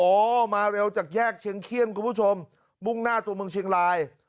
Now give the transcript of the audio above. มาเร็วจากแยกเชียงเขี้ยนคุณผู้ชมมุ่งหน้าตัวเมืองเชียงราย